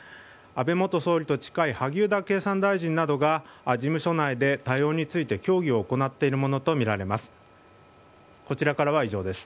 安倍元総理と近い萩生田経産大臣などが事務所内で対応について協議を行っているものとみられます。